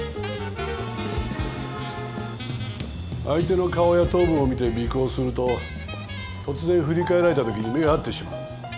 相手の顔や頭部を見て尾行すると突然振り返られたときに目が合ってしまう。